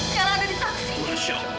tiara ada di taksi